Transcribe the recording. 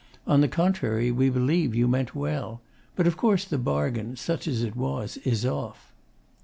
On the contrary, we believe you meant well. But of course the bargain, such as it was, is off.